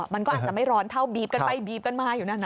มันก็อาจจะไม่ร้อนเท่าบีบกันไปบีบกันมาอยู่นั่นนะ